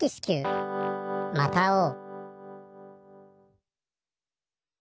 また会おう。